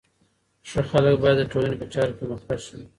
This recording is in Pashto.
ښه خلک باید د ټولني په چارو کي مخکښ وي.